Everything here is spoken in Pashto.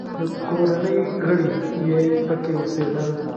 د کورنۍ غړي یې پکې اوسېدل.